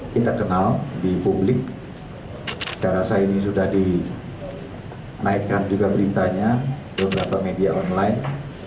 kita kenal di publik secara saya ini sudah di naikkan juga beritanya beberapa media online